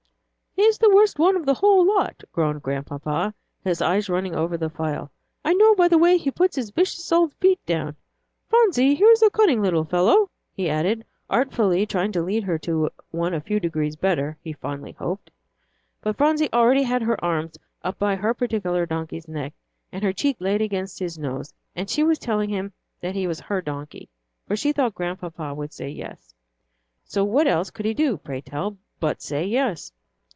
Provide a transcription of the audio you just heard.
"He's the worst one of the whole lot," groaned Grandpapa, his eye running over the file, "I know by the way he puts his vicious old feet down. Phronsie, here is a cunning little fellow," he added, artfully trying to lead her to one a few degrees better, he fondly hoped. But Phronsie already had her arms up by her particular donkey's neck, and her cheek laid against his nose, and she was telling him that he was her donkey, for she thought Grandpapa would say "Yes." So what else could he do, pray tell, but say "Yes"?